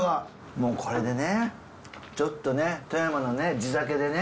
もうこれでねちょっとね富山のね地酒でね